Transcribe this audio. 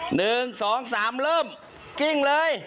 หนึ่งครั้ง